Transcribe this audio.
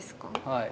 はい。